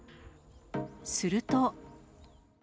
すると。